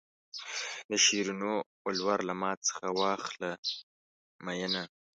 د شیرینو ولور له ما څخه واخله مینه.